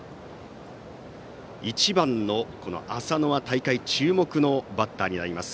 １番の浅野は大会注目のバッターになります。